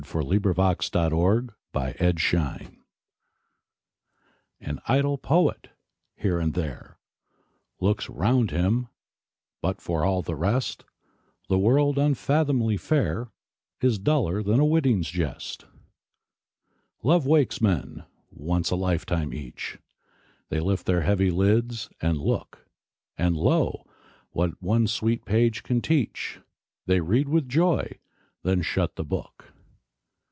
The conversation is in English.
Coventry Patmore The Revelation AN idle poet, here and there, Looks round him, but, for all the rest, The world, unfathomably fair, Is duller than a witling's jest. Love wakes men, once a lifetime each; They lift their heavy lids, and look; And, lo, what one sweet page can teach, They read with joy, then shut the book.